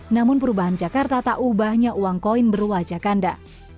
namun perubahan jakarta tak ubahnya uang koin berwajah kanda